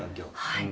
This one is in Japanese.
はい。